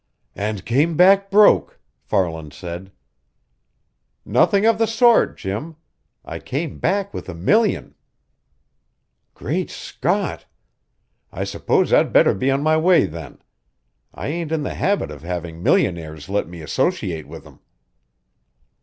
"And came back broke!" Farland said. "Nothing of the sort, Jim. I came back with a million." "Great Scott! I suppose I'd better be on my way then. I ain't in the habit of having millionaires let me associate with 'em."